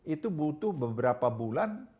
itu butuh beberapa bulan